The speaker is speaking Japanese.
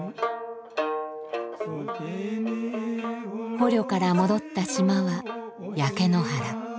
捕虜から戻った島は焼け野原。